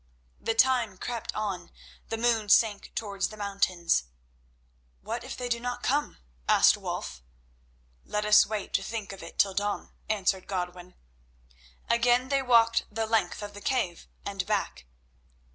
The time crept on; the moon sank towards the mountains. "What if they do not come?" asked Wulf. "Let us wait to think of it till dawn," answered Godwin. Again they walked the length of the cave and back.